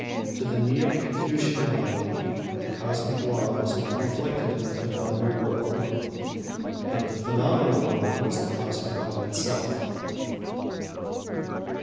To the Neo Confucian mind the cosmic law was not reflected in the phenomenal world, but the phenomenal world was the cosmic law itself.